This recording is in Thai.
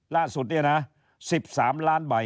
ล่าสุดเนี่ยนะ๑๓ล้านใบ